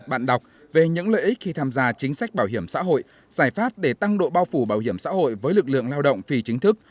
bạn đọc về những lợi ích khi tham gia chính sách bảo hiểm xã hội giải pháp để tăng độ bao phủ bảo hiểm xã hội với lực lượng lao động phi chính thức